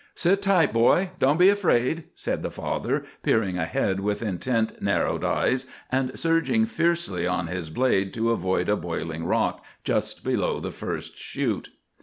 "Sit tight, boy. Don't be afraid," said the father, peering ahead with intent, narrowed eyes and surging fiercely on his blade to avoid a boiling rock just below the first chute.